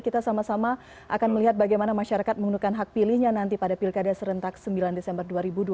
kita sama sama akan melihat bagaimana masyarakat menggunakan hak pilihnya nanti pada pilkada serentak sembilan desember dua ribu dua puluh